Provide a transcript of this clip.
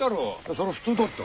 それ普通だって。